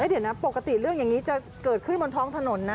เดี๋ยวนะปกติเรื่องอย่างนี้จะเกิดขึ้นบนท้องถนนนะ